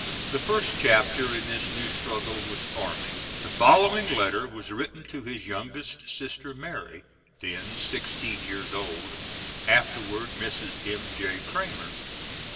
The first chapter in this new struggle was farming. The following letter was written to his youngest sister Mary, then sixteen years old, afterward Mrs. M.J. Cramer.